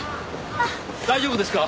大丈夫ですか？